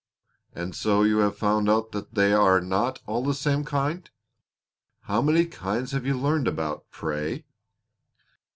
And so you have found out that they are not all the same kind? How many kinds have you learned about, pray?"